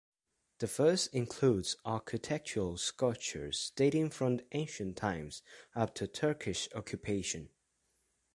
The first includes architectural sculptures dating from ancient times up to Turkish occupation.